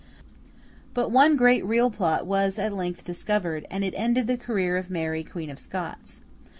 But, one great real plot was at length discovered, and it ended the career of Mary, Queen of Scots.